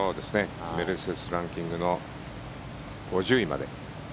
メルセデス・ランキングの５０位まで。